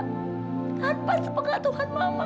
tanpa sepengat tuhan mama